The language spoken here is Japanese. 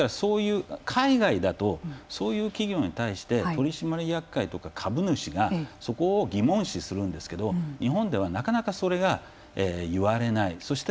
海外だとそういう企業に対して取締役会とか、株主がそこを疑問視するんですけど日本ではなかなかそれが言われない。